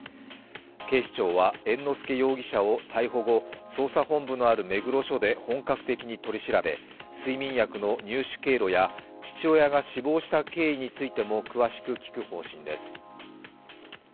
警視庁は猿之助容疑者を逮捕後捜査本部のある目黒署で本格的に取り調べ、睡眠薬の入手経路や父親が死亡した経緯についても詳しく聞く方針です。